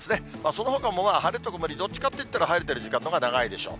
そのほかも晴れと曇りどっちかって言ったら、晴れてる時間のほうが長いでしょう。